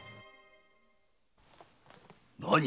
何！